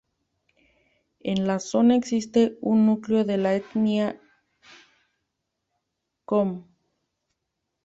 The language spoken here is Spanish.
En la zona existe un núcleo de la etnia qom.